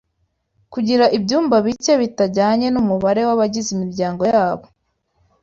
kugira ibyumba bike bitajyanye n’umubare w’abagize imiryango yabo